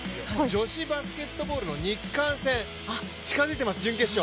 女子バスケットボールの日韓戦近づいています、準決勝。